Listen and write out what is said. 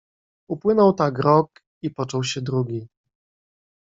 "Upłynął tak rok i począł się drugi."